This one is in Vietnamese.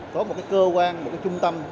có một cơ quan một trung tâm